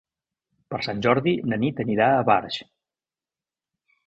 Per Sant Jordi na Nit anirà a Barx.